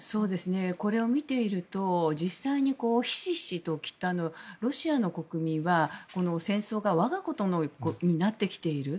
これを見ていると実際にひしひしとロシアの国民は、戦争が我がことになってきている。